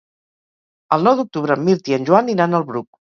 El nou d'octubre en Mirt i en Joan iran al Bruc.